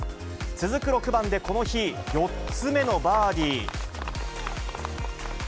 続く６番でこの日、４つ目のバーディー。